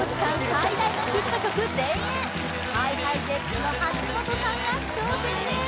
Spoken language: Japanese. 最大のヒット曲「田園」ＨｉＨｉＪｅｔｓの橋本さんが挑戦です